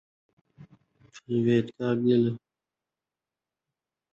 Ularning nigohiga bir qarang! Toshkent yaqinida daydi itlar «yetimxonasi» bor